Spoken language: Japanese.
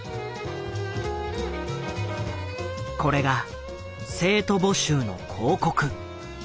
これが生徒募集の広告。